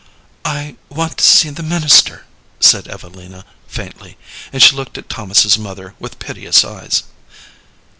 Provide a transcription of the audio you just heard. "I want to see the minister," said Evelina, faintly, and she looked at Thomas's mother with piteous eyes.